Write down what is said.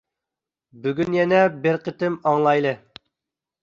بۈگۈن يەنە بىر قېتىم ئاڭلايلى.